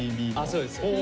そうです。